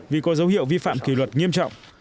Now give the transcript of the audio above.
vì có dấu hiệu vi phạm kỷ luật nghiêm trọng